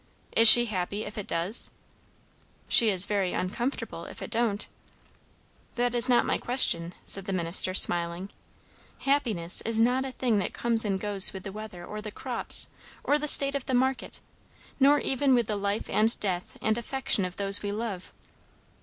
"Is she happy if it does?" "She is very uncomfortable if it don't." "That is not my question," said the minister, smiling. "Happiness is not a thing that comes and goes with the weather, or the crops, or the state of the market; nor even with the life and death and affection of those we love."